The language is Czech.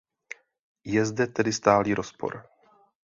Je zde tedy stálý rozpor.